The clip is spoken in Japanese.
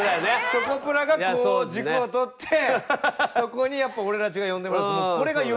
チョコプラがこう軸を取ってそこにやっぱ俺たちが呼んでもらうってこれが夢。